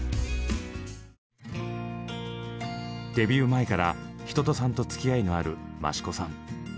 デビュー前から一青さんとつきあいのあるマシコさん。